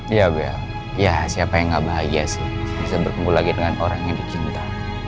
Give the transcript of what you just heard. ya bel ya siapa yang gak bahagia sih bisa bertemu lagi dengan orang yang dicinta